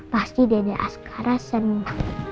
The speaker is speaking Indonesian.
pasti dede askara senang